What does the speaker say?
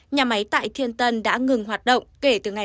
nhà máy tại thiên ân đã ngồi đợi xét nghiệm cho các công ty và cơ sở khác